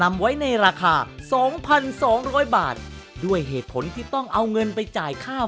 นำไว้ในราคาสองพันสองร้อยบาทด้วยเหตุผลที่ต้องเอาเงินไปจ่ายค่า